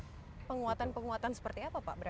penguatan penguatan seperti apa pak